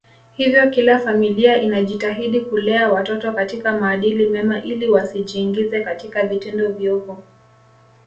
Hivyo kila familia inajitahidi kulea watoto katika maadili mema ili wasijiingize katika vitendo viovu